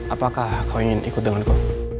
apakah kau ingin ikut denganku